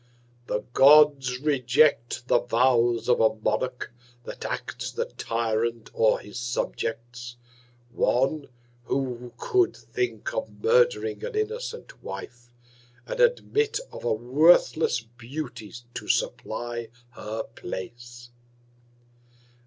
_The Gods reject the Vows of a Monarch, that acts the Tyrant o'er his Subjects; One, who could think of murdering an innocent Wife; and admit of a worthless Beauty to supply her Place.